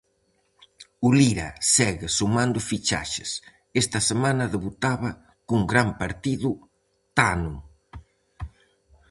O Lira segue sumando fichaxes, esta semana debutaba, cun gran partido, Tano.